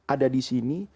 ada di sini